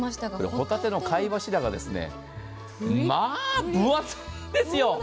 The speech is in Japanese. ほたての貝柱がまあ分厚いんですよ。